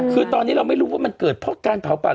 คือตอนนี้เราไม่รู้ว่ามันเกิดเพราะการเผาป่า